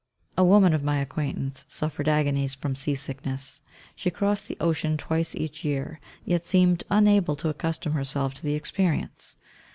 A woman of my acquaintance suffered agonies from seasickness. She crossed the ocean twice each year, yet seemed unable to accustom herself to the experience.